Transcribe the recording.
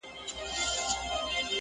چي عطار هر څه شکري ورکولې٫